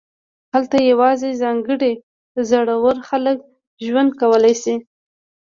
هلته یوازې ځانګړي زړور خلک ژوند کولی شي